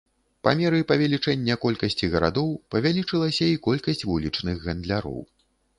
Па меры павелічэння колькасці гарадоў павялічылася і колькасць вулічных гандляроў.